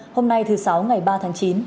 hôm nay thứ sáu ngày ba tháng chín